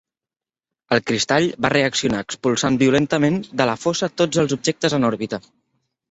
El cristall va reaccionar expulsant violentament de la fossa tots els objectes en òrbita.